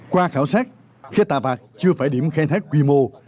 qua khảo sát khai tà bạc chưa phải điểm khai thác quy mô